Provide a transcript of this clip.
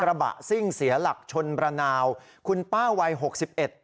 ระบะซิ่งเสียหลักชนประนาวคุณป้าวัยหกสิบเอ็ด